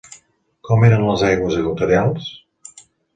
Com eren les aigües equatorials?